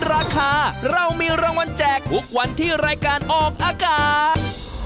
ราคาเรามีรางวัลแจกทุกวันที่รายการออกอากาศ